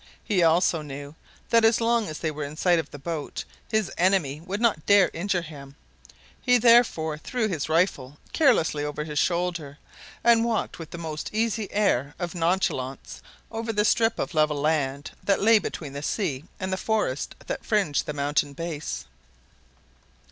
He also knew that as long as they were in sight of the boat, his enemy would not dare to injure him; he therefore threw his rifle carelessly over his shoulder, and walked with the most easy air of nonchalance over the strip of level land that lay between the sea and the forest that fringed the mountain base.